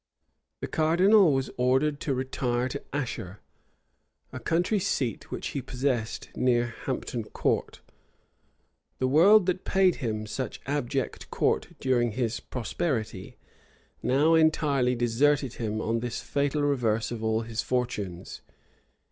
The cardinal was ordered to retire to Asher, a country seat which he possessed near Hampton Court. The world, that had paid him such abject court during his prosperity, now entirely deserted him on this fatal reverse of all his fortunes.